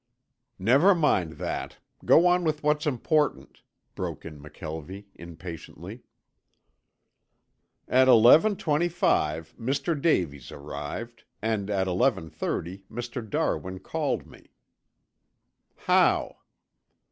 "Never mind that. Go on with what's important," broke in McKelvie, impatiently. "At eleven twenty five Mr. Davies arrived, and at eleven thirty Mr. Darwin called me." "How?"